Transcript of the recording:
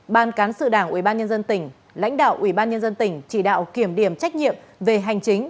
ban cán sự đảng ubnd lãnh đạo ubnd chỉ đạo kiểm điểm trách nhiệm về hành chính